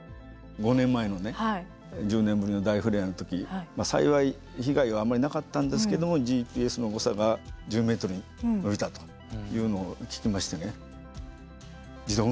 ５年前のね１０年ぶりの大フレアの時幸い被害はあまりなかったんですけどもＧＰＳの誤差が１０メートルあいたというのを聞きまして自動運転始まってなくてよかったと思ったんです。